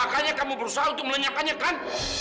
makanya kamu berusaha untuk melenyakannya kan